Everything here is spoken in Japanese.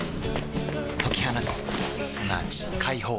解き放つすなわち解放